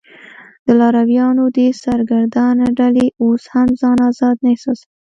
د لارویانو دې سرګردانه ډلې اوس هم ځان آزاد نه احساساوه.